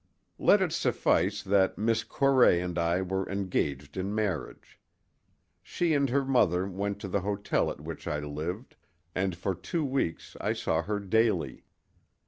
Let it suffice that Miss Corray and I were engaged in marriage. She and her mother went to the hotel at which I lived, and for two weeks I saw her daily.